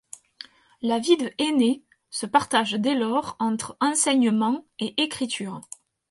La vie de Heaney se partage dès lors entre enseignement et écriture.